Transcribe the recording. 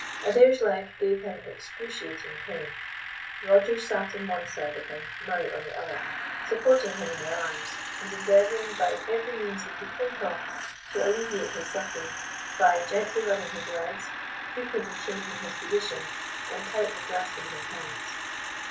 Adair's leg gave him excruciating pain. Rogers sat on one side of him, Murray on the other, supporting him in their arms, and endeavouring, by every means they could think of, to alleviate his suffering, by gently rubbing his legs, frequently changing his position, and tightly grasping his hands.